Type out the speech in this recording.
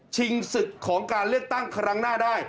ศึกของการเลือกตั้งครั้งหน้าได้